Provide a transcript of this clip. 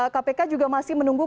kpk juga masih menunggu